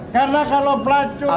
karena kalau pelacur itu mau menerima